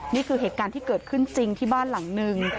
นี่คือเหตุการณ์ที่เกิดขึ้นจริงที่บ้านหลังนึง